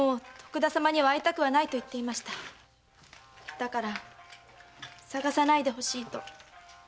だから捜さないでほしいと。